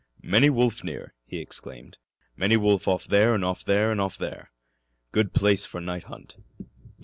"Many wolf near," he exclaimed. "Many wolf off there 'n' off there 'n' off there. Good place for night hunt."